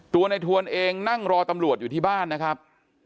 ตัวในทวนเองนั่งรอตำรวจอยู่ที่บ้านนะครับ